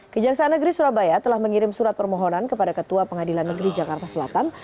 kejaksaan negeri surabaya telah mengirim surat permohonan kepada ketua pengadilan negeri jakarta selatan